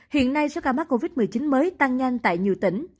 hiện nay số ca mắc covid một mươi chín mới tăng nhanh tại nhiều tỉnh